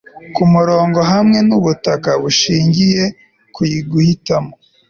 kumurongo hamwe nubutaka bushingiye ku guhitamo